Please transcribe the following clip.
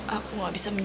aku mencintai kamu